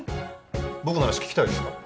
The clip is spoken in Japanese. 僕の話聞きたいですか？